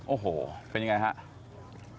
โอ้โหเป็นยังไงฮะ